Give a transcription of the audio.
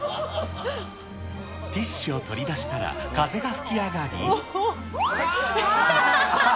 ティッシュを取り出したら、風が吹き上がり。